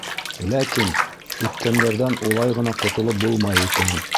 Ләкин үткәндәрҙән улай ғына ҡотолоп булмай икән.